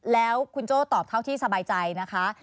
แล้วคุณโจ้ตอบเท่าที่สบายใจนะคะ